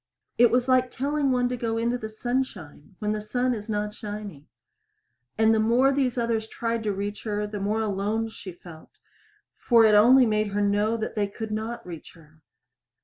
It was like telling one to go into the sunshine when the sun is not shining. And the more these others tried to reach her, the more alone she felt, for it only made her know they could not reach her.